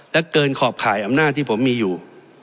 และเกินขอบข่ายอำนาจที่ผมมีอยู่